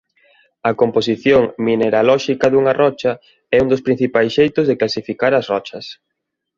A composición mineralóxica dunha rocha é un dos principais xeitos de clasificar as rochas.